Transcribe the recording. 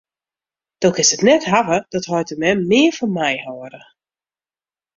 Do kinst it net hawwe dat heit en mem mear fan my hâlde.